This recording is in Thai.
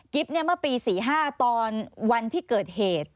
กิ๊บเนี่ยเมื่อปี๔๕ตอนวันที่เกิดเหตุ